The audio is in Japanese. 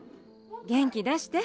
元気出して。